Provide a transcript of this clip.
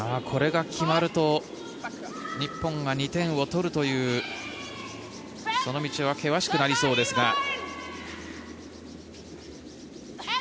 これが決まると日本が２点を取るというその道は険しくなりそうですが。